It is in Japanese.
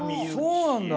そうなんだ。